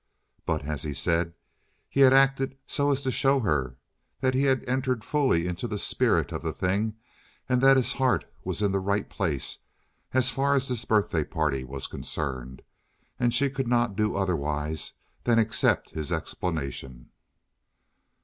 But, as he said, he had acted so as to show her that he had entered fully into the spirit of the thing, and that his heart was in the right place as far as this birthday party was concerned, and she could not do otherwise than accept his explanation.